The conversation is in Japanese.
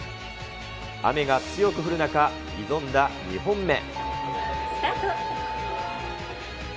雨が強く降る中、挑んだ２本目。